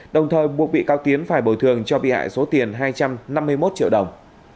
đồng thời buộc bị cáo tiến phải bồi thường cho bị hại số tiền hai trăm năm mươi một triệu đồng